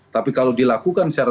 tapi kalau dilakukan itu normal